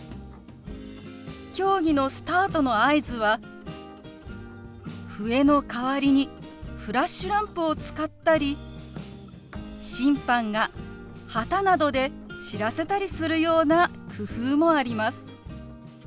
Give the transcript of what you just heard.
競技のスタートの合図は笛の代わりにフラッシュランプを使ったり審判が旗などで知らせたりするような工夫もあります。